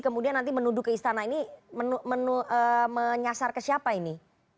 kemudian nanti menuduh ke istana ini menyasar ke siapa ini